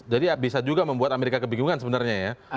jadi bisa juga membuat amerika kebingungan sebenarnya ya